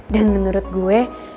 dan menurut gue